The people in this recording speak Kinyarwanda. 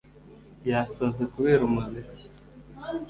Yasaze kubera umuziki